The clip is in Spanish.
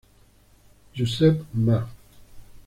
Josep Ma.